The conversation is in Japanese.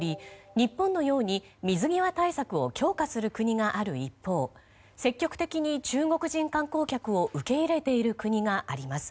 日本のように水際対策を強化する国がある一方積極的に中国人観光客を受け入れている国があります。